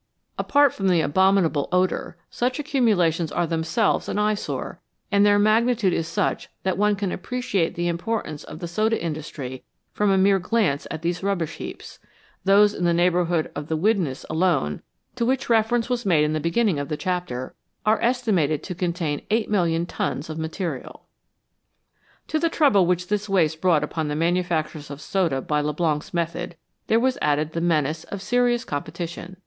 Apart from the abominable odour, such accumulations are themselves an eyesore, and their magnitude is such that one can appre ciate the importance of the soda industry from a mere glance at these rubbish heaps. Those in the neighbour hood of Widnes alone, to which reference was made in 277 THE VALUE OF THE BY PRODUCT the beginning of the chapter, are estimated to contain 8,000,000 tons of material. To the trouble which this waste brought upon the manufacturers of soda by Leblanc's method there was added the menace of serious competition.